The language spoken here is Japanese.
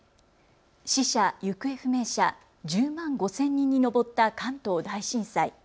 死者・行方不明者１０万５０００人に上った関東大震災。